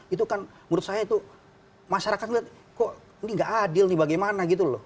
itu kan menurut saya itu masyarakat melihat kok ini gak adil nih bagaimana gitu loh